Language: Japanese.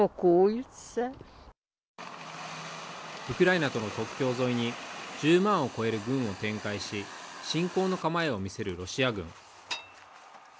ウクライナとの国境沿いに１０万を超える軍を展開し、侵攻の構えを見せるロシア軍。